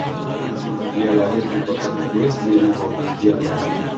Dia lahir di kota Quedlinburg, Jerman.